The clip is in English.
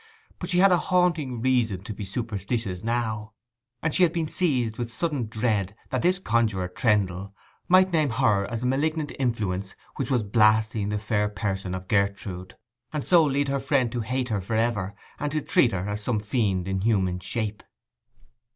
But she had a haunting reason to be superstitious now; and she had been seized with sudden dread that this Conjuror Trendle might name her as the malignant influence which was blasting the fair person of Gertrude, and so lead her friend to hate her for ever, and to treat her as some fiend in human shape.